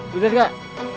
tuh lihat kak